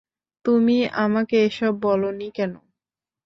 তুমি আমাকে এসব বলোনি কেন?